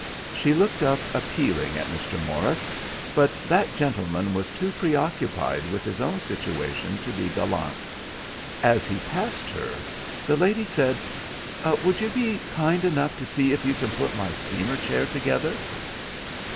She looked up appealing at Mr. Morris, but that gentleman was too preoccupied with his own situation to be gallant. As he passed her, the lady said— "Would you be kind enough to see if you can put my steamer chair together?"